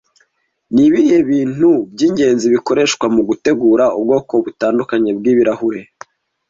Ni ibihe bintu by'ingenzi bikoreshwa mugutegura ubwoko butandukanye bw'ibirahure